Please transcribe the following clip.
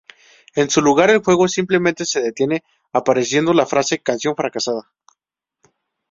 En su lugar, el juego simplemente se detiene apareciendo la frase "canción fracasada".